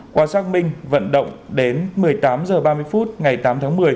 qua xác minh vận động đến một mươi tám h ba mươi phút ngày tám tháng một mươi